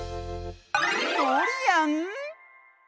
ドリアン？